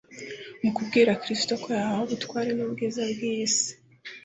Mu kubwira Kristo ko yahawe ubutware n'ubwiza bw'iy'isi,